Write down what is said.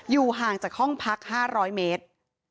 ห่างจากห้องพัก๕๐๐เมตร